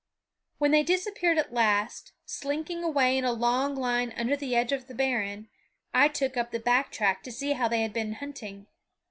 When they disappeared at last, slinking away in a long line under the edge of the barren, I took up the back track to see how they had been hunting.